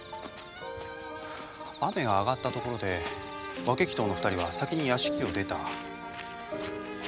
雨が上がったところで分鬼頭の２人は先に屋敷を出た。